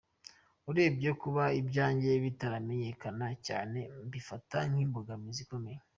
Urebye kuba ibyanjye bitaramenyekana cyane mbifata nk’imbogamizi ikomeye.